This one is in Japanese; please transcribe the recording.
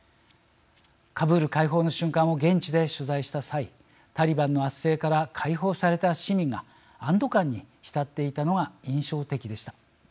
カブール解放の瞬間を現地で取材した際タリバンの圧政から解放された市民が安ど感に浸っていたのが印象的でした。